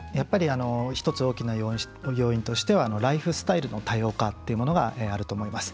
１つ、大きな要因としてはライフスタイルの多様化というのがあると思います。